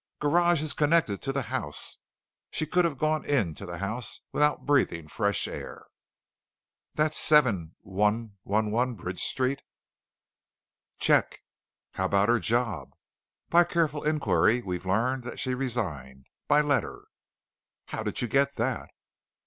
"Garage is connected to the house. She could have gone into the house without breathing fresh air." "That's 7111 Bridge Street?" "Check." "How about her job?" "By careful enquiry, we've learned that she resigned. By letter." "How did you get that?"